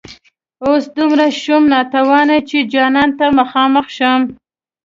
اوس دومره شوم ناتوانه چي جانان ته مخامخ شم